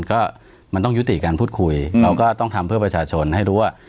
ก็มันต้องยุติการพูดคุยเราก็ต้องทำเพื่อประชาชนให้รู้ว่า